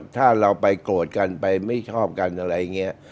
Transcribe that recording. ถ้าเราไปโกรธกันไปไม่ชอบกันอะไรอย่างนี้